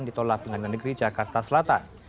ditolak pengadilan negeri jakarta selatan